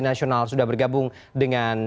nasional sudah bergabung dengan